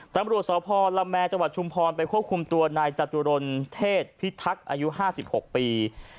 ตำรวจสพละแมจังหวัดชุมพรไปควบคุมตัวนายจตุรนเทศพิทักษ์อายุ๕๖ปี